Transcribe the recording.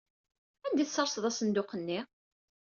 Anda ay tessersed asenduq-nni?